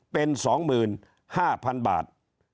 เป็น๒๕๐๐๐บาท